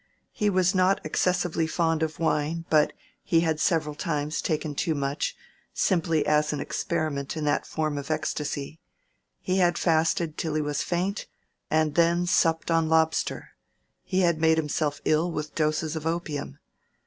He was not excessively fond of wine, but he had several times taken too much, simply as an experiment in that form of ecstasy; he had fasted till he was faint, and then supped on lobster; he had made himself ill with doses of opium.